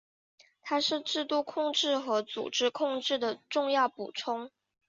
它是制度控制和组织控制的重要补充。